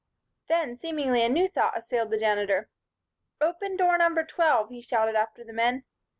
Then, seemingly, a new thought assailed the Janitor. "Open door number twelve," he shouted after the men.